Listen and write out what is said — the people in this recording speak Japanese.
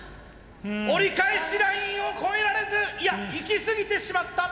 折り返しラインを越えられずいや行きすぎてしまった！